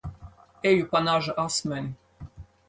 Eju pa naža asmeni.